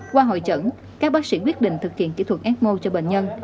qua hội chẩn các bác sĩ quyết định thực hiện kỹ thuật ecmo cho bệnh nhân